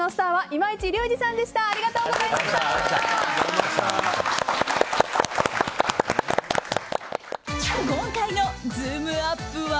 今回のズームＵＰ！は。